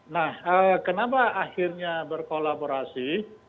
nah kenapa akhirnya berkolaborasi